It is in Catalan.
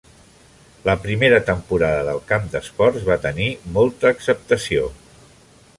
La primera temporada del Camps d'Esports va tenir molta acceptació.